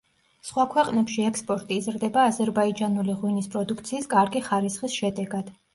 სხვა ქვეყნებში ექსპორტი იზრდება აზერბაიჯანული ღვინის პროდუქციის კარგი ხარისხის შედეგად.